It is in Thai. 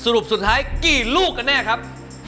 สุดท้ายกี่ลูกกันแน่ครับ